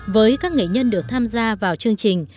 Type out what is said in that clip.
với các nghệ nhân được tham gia vào chương trình